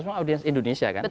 semua audiens indonesia kan